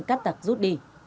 cát tặc rút đi